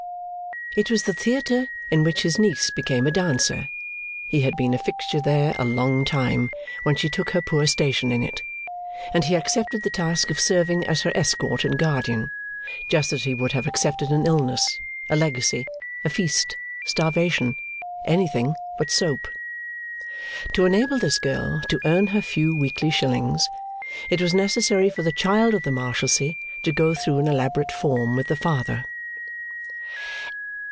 It was the theatre in which his niece became a dancer; he had been a fixture there a long time when she took her poor station in it; and he accepted the task of serving as her escort and guardian, just as he would have accepted an illness, a legacy, a feast, starvation anything but soap. To enable this girl to earn her few weekly shillings, it was necessary for the Child of the Marshalsea to go through an elaborate form with the Father.